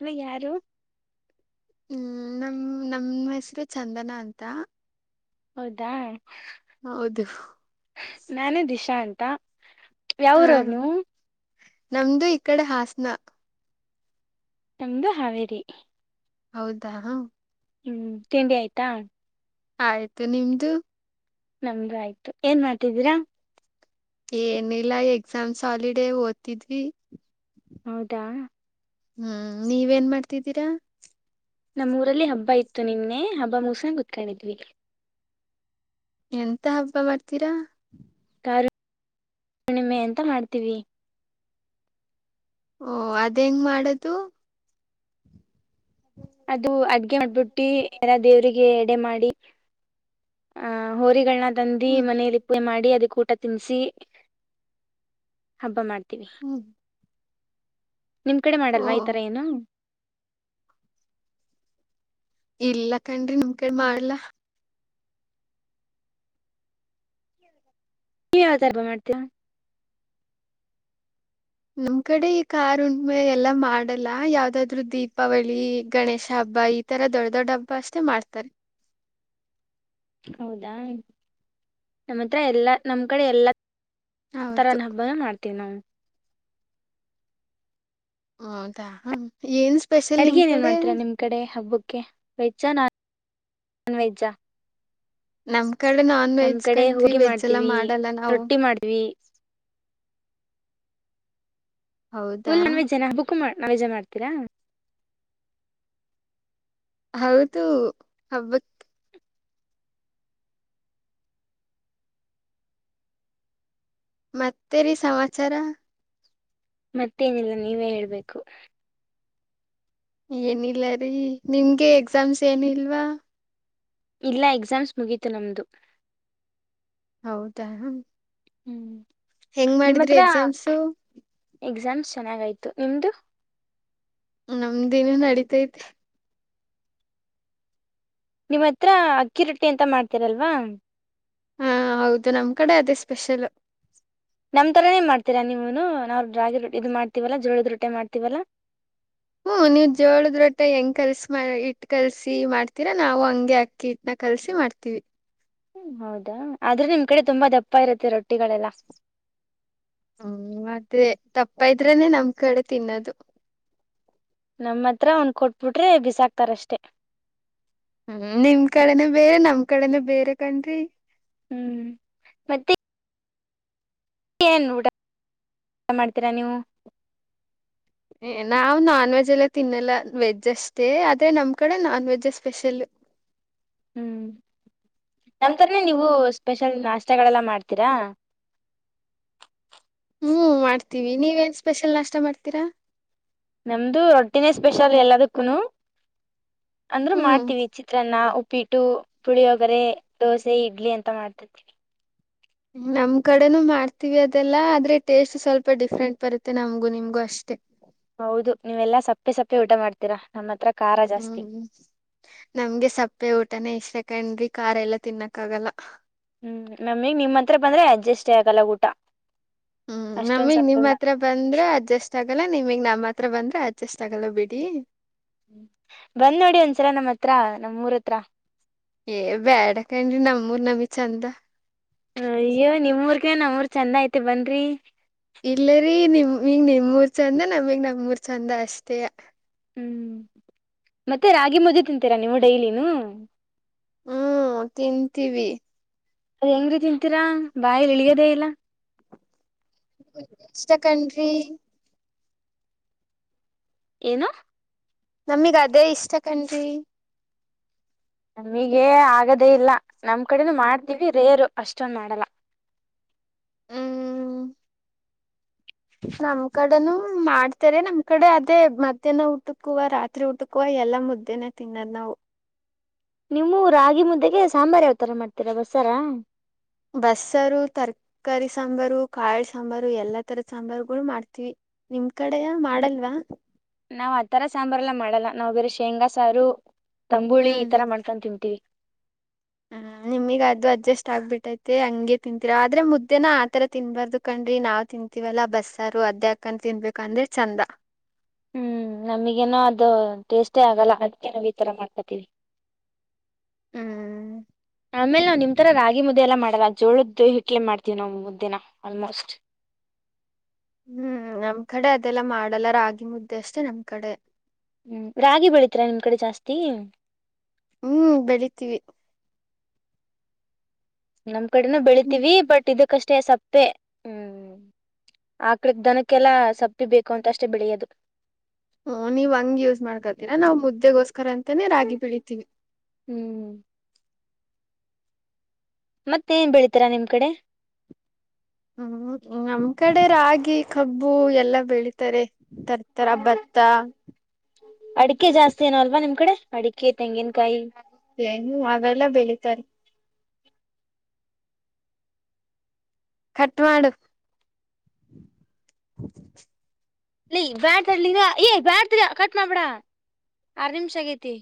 ಹಲ ಯಾರು ಹ್ಮ್ ನಮ ನಮ್ ಹೆಸರು ಚಂದನ ಅಂತ ಹೌದಾ ಹೌದು ನಾನೇ ದಿಶಾ ಅಂತ ಹ ಯಾವ್ರವರುನು ನಮ್ದು ಈ ಕಡೆ ಹಾಸನ ತಂಗದು ಹಾವೇರಿ ಹೌದಾ ಹ ಹ್ಮ್ ತಿಂಡಿ ಆಯ್ತಾ ಆಯ್ತು ನಿಮ್ದು ನಮ್ದಾಯ್ತು ಏನ್ ಮಾಡ್ತಿದ್ದೀರಾ ಏನಿಲ್ಲ ಎಕ್ಸಾಮ್ಸ್ ಹಾಲಿಡೇ ಓದ್ತಿದ್ವಿ ಹೌದಾ ಹ್ಮ್ ನೀವೇನ್ ಮಾಡ್ತಿದ್ದೀರಾ ನಮ್ಮೂಊರಲ್ಲಿ ಹಬ್ಬ ಇತ್ತು ನಿನ್ನೆ ಹಬ್ಬ ಮೂಸನ ಕುತ್ಕೊಂಡಿದ್ವಿ ಎಂತ ಹಬ್ಬ ಮಾಡ್ತೀರಾ ಕಾರು ಕೂಣಿಮೆ ಅಂತ ಮಾಡ್ತೀವಿ ಓ ಅದ್ ಹೆಂಗ ಮಾಡದು ಅದು ಅಡ್ಗೆ ಮಾಡಬಿಟ್ಟು ಎಲ್ಲ ದೇವ್ರರಿಗೆ ಎಡೆ ಮಾಡಿ ಆ ಹೋರಿಗಳನ್ನ ತಂದುಿ ಹ್ಮ್ ಮನೇಲಿಪ್ಪು ಮಾಡಿ ಅದಕ್ಕೂಟ ತಿನಿಸಿಿ ಹಬ್ಬ ಮಾಡ್ತೀವಿ ಹ್ಮ್ ನಿಮ್ ಕಡೆ ಓ ಮಾಡಲ್ವಾ ಈ ತರ ಏನು ಇಲ್ಲ ಕಣ್ರಿ ನಿಮ ಕಡೆ ಮಾಡ್ಲ ಕ ಯತಾಯಬ್ಬ ಮಾಡ್ತವ ನಮ್ ಕಡೆ ಈ ಕಾರಾರ ಉಣ್ಮೆ ಎಲ್ಲಾ ಮಾಡಲ್ಲ ಯಾವ್ದಾದ್ರು ದೀಪಾವಳಿ ಗಣೇಶ ಹಬ್ಬ ಹಬ್ಬಾ ಈ ತರ ದೊಡ್ಡ ದೊಡ್ಡ ಹಬ್ಬ ಅಷ್ಟೆ ಮಾಡ್ತಾರೆ ಹೌದಾ ನಮ್ಮ ಹತ್ರ ಎಲ್ಲಾ ನಮ್ಮ್ ಕಡೆ ಎಲ್ಲಾ ಹೌದು ಒಥರನ ಹಬ್ಬನ ಮಾಡ್ತೀವಿ ನಾವು ಹೌದಾ ಏನ್ ಸ್ಪೆಷಲ್ ನಿಮ್ ಅಡುಗೆ ಏನೇಏನ್ ಕಡೆ ಮಾಡ್ತೀರಾ ನಿಮ್ಮ ಕಡೆ ಹಬ್ಬಕ್ಕೆ ವೆಜ್ಜಾ ನಾನ್ ನಾನ್ ವೆಜ್ಜಾ ನಮ್ ಈ ಕಡೆ ನಾನ್ ನಮ್ ವೆಜ್ ಕಡೆ ಕನ್್ರಿ ಹೋಗಿ ವೆಜ್ ಎಲ್ಲ ಮಾಡ್ತೀವಿ ಮಾಡಲ್ಲ ನಾವು ರೊಟ್ಟಿ ಮಾಡ್ತೀವಿ ಹೌದಾ ಫುಲ್ ನನ್ ವೇಜ್ ಜನ ಬುಕ್ ಮಾಡ ನಾ ವೇಜ ಮಾಡ್ತೀರಾ ಹೌದು ಹಬ್ಬತ್ ಮತ್ತೇರಿ ಸಮಾಚಾರ ಮತ್ತೇನಿಲ್ಲ ನೀವೇ ಹೇಳ್ಬೇಕು ಏನಿಲ್ಲರಿೀ ನಿಮ್ಗೆ ಎಕ್ಸಾಮ್ಸ್ ಏನಿಲ್ವಾ ಇಲ್ಲ ಎಕ್ಸಾಮ್ಸ್ ಮುಗೀತು ನಮ್ದು ಹೌದಾ್ಮ ಹ್ಮ್ ನಿಮ್ಮ ಹತ್ರ ಎಕ್ಸಾಮ್ಸು ಎಕ್ಸಾಮ್ ಚೆನ್ನಾಗಾಯ್ತು ನಿಮ್ದು ನಮ್ದೇನ ನಡೀತೈತೆ ನಿಮ್ಮ್ ಹತ್ರ ಅಕ್ಕಿ ರೊಟ್ಟಿ ಅಂತ ಮಾಡ್ತೀರಲ್ವಾ ಹಾ ಹೌದು ನಮ್ ಕಡೆ ಅದೇ ಸ್ಪೆಷಲ್ ನಮ್ಮ ಥರನೇ ಮಾಡ್ತೀರಾ ನೀವು ನಾವು ರಾಗಿ ರೊ ಇದು ಮಾಡ್ತೀವಲ್ಲ ಜೋಳಿದ ರೊಟ್ಟೆ ಮಾಡ್ತೀವಲ್ಲ ಹ್ಮ್ ನೀವ್ ಜೋಳದ್ರೊಟ್ಟ ಹೆಂಗ್ ಕಲ್ಸ ಇಟ್ಟ ಕಲ್ಸಿ ಮಾಡ್ತೀರಾ ನಾವು ಹಂಗೆ ಅಕ್ಕಿ ಇಟ್ನ ಕಲ್ಸಿ ಮಾಡ್ತೀವಿ ಹ ಹೌದಾ ಆದ್ರೂ ನಿಮ್ ಕಡೆ ತುಂಬಾ ದಪ್ಪ ಇರುತ್ತೆ ರೊಟ್ಟಿಗಳೆಲ್ಲ ಹ್ಮ್ ಅದೇ ತಪ್ಪ ಇದ್ರನೆ ನಮ್ ಕಡೆ ತಿನ್ನೋದು ನಮ್ಮ ಹತ್ರ ಒಂದು ಕೊಟ್ಬಿಟ್ರೆ ಬಿಸಾಕ್ತಾರಷ್ಟೇ ಹ್ಮ ನಿಮ್ ಕಡೆನ ಬೇರೆ ನಮ್ ಕಡೆನೆ ಬೇರೆ ಕಣ್ರಿ ಹ್ಮ್ ಮತ್ತೆ ಏನ್ ಊಟ ಮಾಡ್ತೀರಾ ನೀವು ನಾವ್ ನಾನ್ ವೆಜ್ ಎಲ್ಲ ತಿನ್ನಲ್ಲ ವೆಜ್ ಅಷ್ಟೇ ಆದ್ರೆ ನಮ್ ಕಡೆ ನಾನ್ ವೆಜ್ ಸ್ಪೆಷಲ್ ಹ್ಮ್ ನಮ್ ತರನನೆ ನೀವು ಸ್ಪೆಷಲ್ ನಾಷ್ಟಗಳೆಲ್ಲ ಮಾಡ್ತೀರಾ ಹ್ಮ್ ಮಾಡ್ತೀವಿ ನೀವೇನ್ ಸ್ಪೆಷಲ್ ನಾಷ್ಟ ಮಾಡ್ತೀರಾ ನಮ್ದು ರೊಟ್ಟಿನೇ ಸ್ಪೆಷಲ್ ಎಲ್ಲದಕ್ಕೂನು ಅಂದ್ರ ಹ್ಮ್ ಮಾಡ್ತೀವಿ ಚಿತ್ರಾನ್ನ ಪಿಟು ಪುಳಿಯ ಒಗರೆ ದೋಸೆ ಇಡ್ಲಿ ಅಂತ ಮಾಡ್ತರ್ತೀವಿ ನಮ್ ಕಡೆನೂ ಮಾಡ್ತೀವಿ ಅದೆಲ್ಲ ಆದ್ರೆ ಟೇಸ್ಟ್ ಸ್ವಲ್ಪ ಡಿಫ್ರೆಂಟ್ ಬರುತ್ತೆ ನಮ್ಗೂ ನಿಮ್ಗೂ ಅಷ್ಟೇ ಹೌದು ನೀವೆಲ್ಲಾ ಸಪ್ಪೆ ಸಪ್ಪೆ ಊಟ ಮಾಡ್ತೀರಾ ನಮ್ಮ ಹತ್ರ ಖಾರ ಜಾಸ್ತಿ ಹ್ಮ್ ನಮ್ಗೆ ಸಪ್ಪೆ ಊಟನೇ ಇಷ್ಟ ಆ ಹಾ ಕಂಡ್ರಿ ಕಾರಾರ್ ಎಲ್ಲಾ ತಿನ್ನಕ್ಕ ಆಗಲ್ಲ ಹ್ಮ್ ನಮಗ್ ನಿಮ್ಮ ಹಂತ್ರ ಬಂದ್ರೆ ಅಡ್ಜಸ್ಟ್ ಆಗಲ್ಲ ಊಟ ಹ್ಮ್ ಅಷ್ಟೊಂದ್ ನಮಿಗ್ ಸಪ್ಪೆ ನಿಮ್ ಹತ್ರ ಮಾಡ್ತೀವಿ ಬಂದ್ರೆ ಅಡ್ಜಸ್ಟ್ ಆಗಲ್ಲ ನಿಮಗ್ ನಮ್ಮ್ ಹತ್ರ ಬಂದ್ರ ಅ ಚಸ್ ಆಗಲ್ಲಬೇಡಿ ಹ್ಮ ಬಂದ್ ನೋಡಿ ಒಂದ್ಸಲ ನಮ್ಮ್ ಹತ್ರ ನಮ್ೂರ ಹತ್ರ ಏ ಬೇಡಕನ್ರಿ ನಮ್ಮೂರ್ ನಂಬಿ ಚಂದ ಹ ಅಯ್ಯೋ ನಿಮ್ೂರ್ಗ ನಮ್ಮೂರ್ ಚಂದ ಐ್ತಿ ಬನ್್ರರಿ ಇಲ್ಲರಿೀ ನಿಮ ಹಂಗ ನಿಮ್ೂರ್ ಚಂದ ನಮಗ್ ನಮ್ೂರ್ ಚಂದ ಅಷ್ಟೇ ಹ್ಮ್ ಮತ್ತೆ ರಾಗಿ ಮುದ್ದು ತಿಂತೀರಾ ನೀವು ಡೈಲಿನೂ ಹ್ಮ್ ತಿಂತೀವಿ ಹೆಂಗ್ರೀ ತಿಂತೀರಾ ಬಾಯಲಿ ಇಳಿಯದೇ ಇಲ್ಲ ಇಸ್ ದ ಕಂಟ್ರಿ ಏನು ನಮಿಗ್ ಅದೇ ಇಷ್ಟ ಕನ್ರಿ ನಮಗ ಆಗದೆೇ ಇಲ್ಲ ನಮ್ ಕಡೆನೂ ಮಾಡ್ತೀವಿ ರೇರು ಅಷ್ಟೊಂದು ಮಾಡಲ್ಲ ಹ್ಮ್ ನಮ್ ಕಡೆನೂ ಮಾಡ್ತಾರೆ ನಮ್ ಕಡೆ ಅದೇ ಮಧ್ಯಾಹ್ನ ಊಟಕುವ ರಾತ್ರಿ ಊಟಕ್ಕುವ ಎಲ್ಲಾ ಮುದ್ದೆನೆೇ ತಿನ್ನೋದ್ ನಾವು ನಿಮ್ಮೂ ರಾಗಿ ಮುದ್ದೆಗೆ ಸಾಂಬಾರ್ು ಯಾವತರ ಮಾಡ್ತೀರಾ ಬಸ್ಸಾರ ಬಸ್ಸಾರ ತರ್ಕಾರಿ ಸಾಂಬಾರು ಕಾಳ ಸಾಂಬಾರು ಎಲ್ಲಾ ತರದ ಸಾಂಬಾರುಗಳು ಮಾಡ್ತೀವಿ ನಿಮ್ ಕಡೆಯ ಮಾಡಲ್ವಾ ನಾವ್ ಆತರ ಸಾಂಬಾರ್ ಎಲ್ಲ ಮಾಡಲ್ಲ ನಾವ್ ಬೇರೆ ಶೇಂಗಾ ಸಾರು ತಂಬುಳಿ ಈತರ ಮಾಡ್ಕೊಂಡು ತಿನ್ಂತೀವಿ ಹಾ ನಿಮಗ್ ಅದು ಅಡ್ಜಸ್ಟ್ ಆಗ್ಬಿಟ್ಟೈತೆ ಹಂಗೆ ತಿಂತಿರೋ ಆದ್ರೆ ಮುದ್ದೇನ ಆತರ ತಿನ್ಬಾರ್ದು ಕಣ್ರಿ ನಾವು ತಿಂತವಿ ಇತವಲ್ಲಾ ಬಸ್ಸಾರು ಅದ್ಯಾಕನ್ ತಿನ್ಬೇಕ ಅಂದ್ರೆ ಚಂದ ಹ್ಮ್ ನಮಗೇನೋ ಅದು ಟೇಸ್ಟೇ ಆಗಲ್ಲ ಅದಕ್ಕೆ ನಾವವು ಈಥರ ಮಾಡ್ಕೊತೀವಿ [inaudible] ಹ್ಮ್ ಆಮೇಲೆ ನಾವ್ ನಿಮ್ ತರ ರಾಗಿ ಮುದ್ದೆ ಎಲ್ಲ ಮಾಡದಾಗ ಜೋಳದ್ದು ಹಿಟ್ಲೆ ಮಾಡ್ತೀವಿ ನಾವು ಮುದ್ದಿನ ಆಲ್ಮೋಸ್ಟ್ ಹ್ಮ್ ನಮ್ ಕಡೆ ಅದೆಲ್ಲ ಮಾಡಲ್ಲಾರಾಗಿ ಮುದ್ದೆ ಅಷ್ಟೇ ನಮ್ ಕಡೆ ಹ್ಮ್ ರಾಗಿ ಬೆಳತ್ರ ನಿಮ್ ಕಡೆ ಜಾಸ್ತಿ ಹ್ಮ್ ಬೆಳಿತೀವಿ ನಮ್ಮ್ ಕಡೆನೂ ಹ್ಮ್ ಬೆಳಿತೀವಿ ಬಟ್ ಇದಕ್ಕಷ್ಟೇ ಸಪ್ಪೆ ಹ್ಮ್ ಆ ಕಡೆಿಗೆ ದನಕ್ಕೆಲ್ಲ ಸಪ್ಪಿ ಬೇಕು ಅಂತಷ್ಟೇ ಬೆಳೆಯೋದು ಹ್ಮ ನೀವ್ ಹಂಗ್ ಯೂಸ್ ಮಾಡ್ಕತೀರ ನಾವ್ ಮುದ್ದೆಗೋಸ್ಕರ ಅಂತನೇ ರಾಗಿ ಬೆೀಳಿತೀವಿ ಹ್ಮ್ ಮತ್ತೇನ್ ಬೆಳಿತರಾ ನಿಮ್ ಕಡೆ ಹ್ಮ್ ನಮ್ ಕಡೆ ರಾಗಿ ಕಬ್ಬು ಎಲ್ಲ ಬೆಳಿತಾರೆ ತರ್ತಾರೆ ಹಬ್ಬ ತ್ತಾ ಅಡಿಕೆ ಜಾಸ್ತಿ ಏೋ ಅಲ್ವಾ ನಿಮ್ ಕಡೆ ಅಡಿಕೆ ತೆಂಗಿನ್ ನು ಅವೆಲ್ಲ ಬೆಳಿತಾರೆ ಕಟ್ವಾಂಡು ಇ ಬ್ಯಾಡ್ತರ್ಲ ಏ್ ಬ್ಯಾಡ್ತರಿ ಕಟ್ ಮಾಡ್ಬೇಡ ಆರ್ ನಿಮಿಷ ಆಗೈತಿ